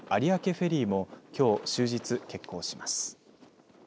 フェリーはきょう終日欠航します。